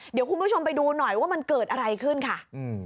เดี๋ยวคุณผู้ชมไปดูหน่อยว่ามันเกิดอะไรขึ้นค่ะ